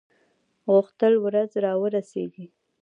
غوښتل ورځ را ورسیږي.